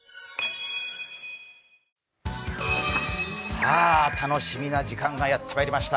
さあ、楽しみな時間がやってまいりました。